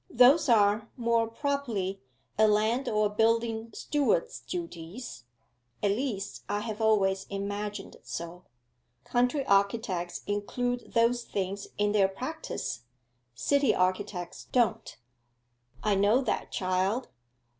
'Those are, more properly, a land or building steward's duties at least I have always imagined so. Country architects include those things in their practice; city architects don't.' 'I know that, child.